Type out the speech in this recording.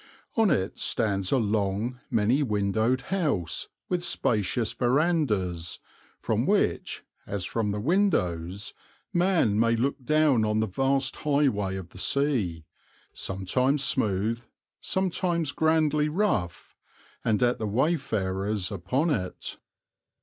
On it stands a long, many windowed house with spacious verandas, from which, as from the windows, man may look down on the vast highway of the sea, sometimes smooth, sometimes grandly rough, and at the wayfarers upon it.